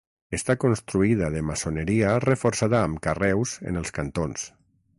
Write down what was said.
Està construïda de maçoneria reforçada amb carreus en els cantons.